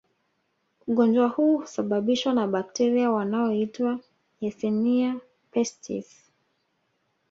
Ugonjwa huu husababishwa na bakteria wanaoitwa Yersinia pestis